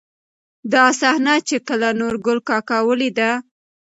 دا صحنه، چې کله نورګل کاکا ولېده.